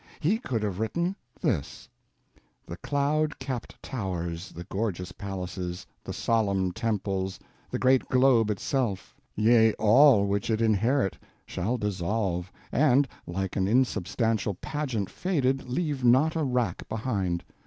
He could have written this: The cloud cap'd towers, the gorgeous palaces, The solemn temples, the great globe itself, Yea, all which it inherit, shall dissolve, And, like an insubstantial pageant faded, Leave not a rack behind.